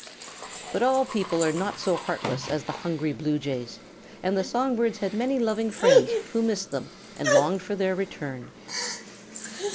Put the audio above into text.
But all people are not so heartless as the hungry Blue Jays, and the song birds had many loving friends who missed them and longed for their return.